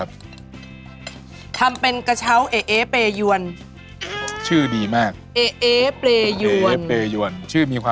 รสชาติจัดจ้างมากเลยคะเชฟคะ